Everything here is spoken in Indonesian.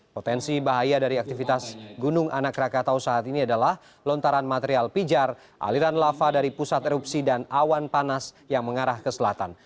potensi bahaya dari aktivitas gunung anak rakatau saat ini adalah lontaran material pijar aliran lava dari pusat erupsi dan awan panas yang mengarah ke selatan